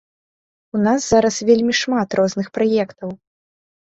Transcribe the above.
У нас зараз вельмі шмат розных праектаў.